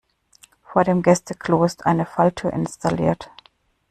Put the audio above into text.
Vor dem Gäste-Klo ist eine Falltür installiert.